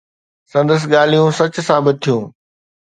سندس ڳالهيون سچ ثابت ٿيون.